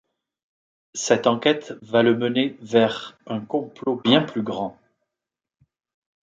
Cette enquête va le mené vers un complot bien plus grand.